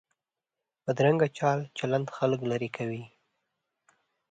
بدرنګه چال چلند خلک لرې کوي